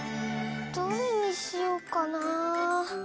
どれにしようかな？